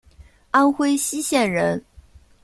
安徽歙县人。